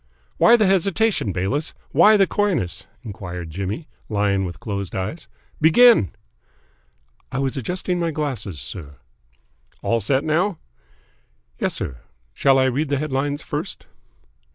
"Why the hesitation, Bayliss? Why the coyness?" enquired Jimmy, lying with closed eyes. "Begin!" "I was adjusting my glasses, sir." "All set now?" "Yes, sir. Shall I read the headlines first?"